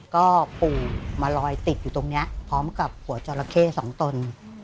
ก็ปู่มาลอยติดอยู่ตรงนี้พร้อมกับหัวจราเข้สองตน